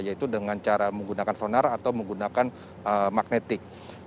yaitu dengan cara menggunakan sonar atau menggunakan magnetik